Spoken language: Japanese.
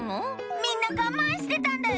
みんながまんしてたんだよ！